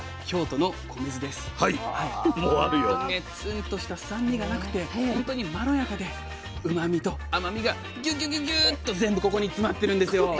本当にねツンとした酸味がなくて本当にまろやかでうまみと甘みがギュギュギュギュッと全部ここに詰まってるんですよ。